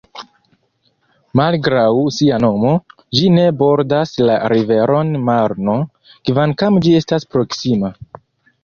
Malgraŭ sia nomo, ĝi ne bordas la riveron Marno, kvankam ĝi estas proksima.